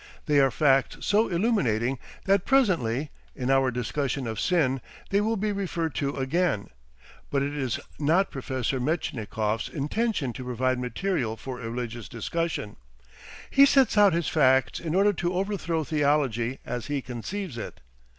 They are facts so illuminating that presently, in our discussion of sin, they will be referred to again. But it is not Professor Metchnikoff's intention to provide material for a religious discussion. He sets out his facts in order to overthrow theology as he conceives it.